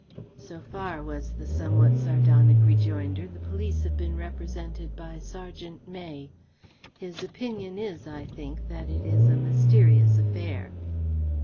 "So far," was the somewhat sardonic rejoinder, "the police have been represented by Sergeant May. His opinion is, I think, that it is a mysterious affair."